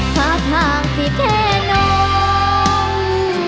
พาทางเธอนอง